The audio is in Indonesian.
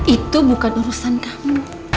itu bukan urusan kamu